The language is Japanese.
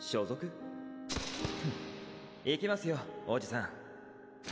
フッ行きますよおじさん。